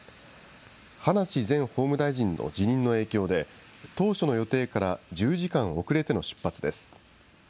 葉梨前法務大臣の辞任の影響で、当初の予定から１０時間遅れての出発です。